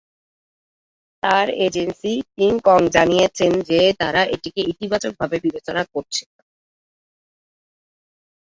তার এজেন্সি কিং কং জানিয়েছে যে তারা এটিকে ইতিবাচকভাবে বিবেচনা করছে।